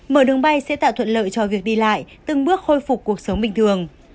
mở đường bay sẽ tạo thuận lợi cho việc đi lại từng bước khôi phục cuộc sống bình thường